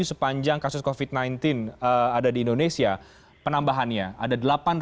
sepanjang kasus covid sembilan belas ada di indonesia penambahannya ada delapan tiga ratus enam puluh sembilan